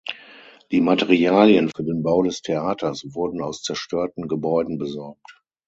Die Materialien für den Bau des Theaters wurden aus zerstörten Gebäuden besorgt.